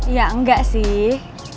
ya enggak sih